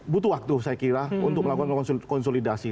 butuh waktu saya kira untuk melakukan konsolidasi